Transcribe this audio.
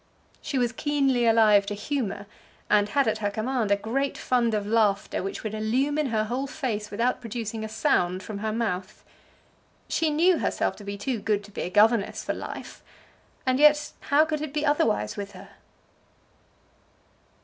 She was keenly alive to humour, and had at her command a great fund of laughter, which would illumine her whole face without producing a sound from her mouth. She knew herself to be too good to be a governess for life; and yet how could it be otherwise with her?